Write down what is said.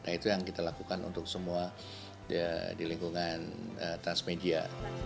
nah itu yang kita lakukan untuk semua di lingkungan transmedia